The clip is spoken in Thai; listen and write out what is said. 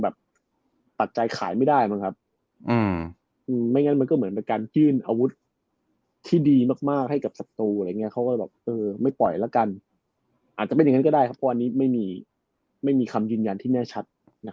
อาจจะเป็นอย่างนั้นก็ได้ครับเพราะว่านี้ไม่มีคำยืนยันที่แน่ชัด